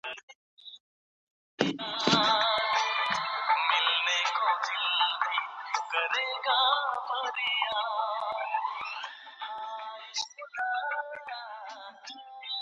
د بریا لاره یوازي با استعداده کسانو ته نه سي ورکول کېدلای.